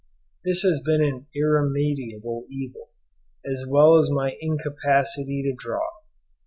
This has been an irremediable evil, as well as my incapacity to draw.